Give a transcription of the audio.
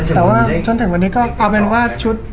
แต่ว่าจนถึงวันนี้ก็เอาเป็นว่าชุด